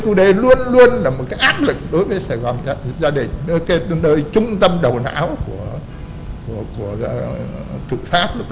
khu d luôn luôn là một cái ác lực đối với sài gòn gia đình nơi trung tâm đầu não của thực pháp